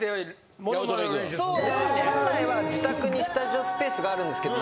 本来は自宅にスタジオスペースがあるんですけど。